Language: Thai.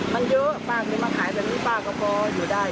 มันเยอะป้ามีมาขายแบบนี้ป้าก็พออยู่ได้